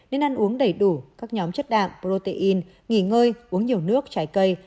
nên ăn uống đầy đủ các nhóm chất đạm protein nghỉ ngơi uống nhiều nước trái cây